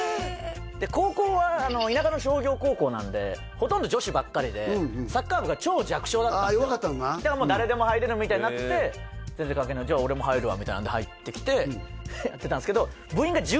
高校は田舎の商業高校なのでほとんど女子ばっかりでああ弱かったのな誰でも入れるみたいになってじゃあ俺も入るわみたいなんで入ってきてやってたんですけどええ！？